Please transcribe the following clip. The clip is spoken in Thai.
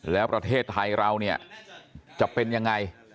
แล้วประเทศไทยเราเนี่ยจะเป็นยังไง